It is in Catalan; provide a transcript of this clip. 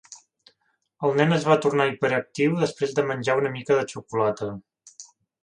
El nen es va tornar hiperactiu després de menjar una mica de xocolata.